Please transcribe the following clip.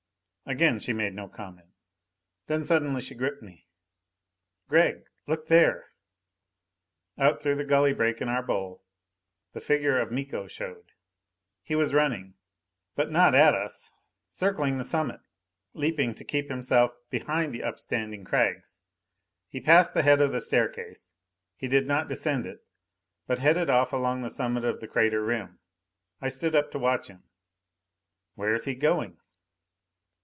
Again she made no comment. Then suddenly she gripped me. "Gregg, look there!" Out through the gully break in our bowl the figure of Miko showed! He was running. But not at us. Circling the summit, leaping to keep himself behind the upstanding crags. He passed the head of the staircase; he did not descend it, but headed off along the summit of the crater rim. I stood up to watch him. "Where's he going!"